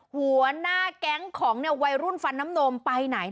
หัวหน้าแก๊งของวัยรุ่นฟันน้ำนมไปไหน